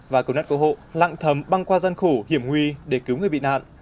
và cầu nát cầu hộ lặng thầm băng qua gian khổ hiểm huy để cứu người bị nạn